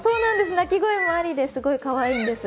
鳴き声もありですごいかわいいんです。